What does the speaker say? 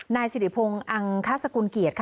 นายสิริโพงอังคสกุลเกียรติ